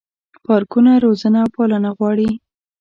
پارکونه روزنه او پالنه غواړي.